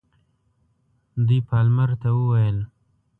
دوی پالمر ته وویل.